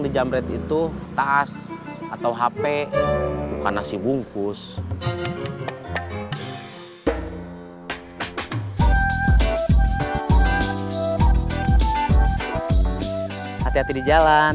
jamretnya aja yang keterlaluan